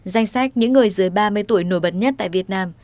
danh sách những người dưới ba mươi tuổi nổi bật nhất tại việt nam